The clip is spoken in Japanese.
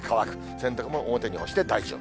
洗濯物を表に干して大丈夫。